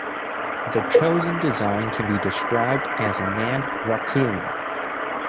The chosen design can be described as a manned rockoon.